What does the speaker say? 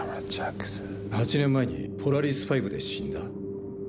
８年前にポラリス５で死んだ。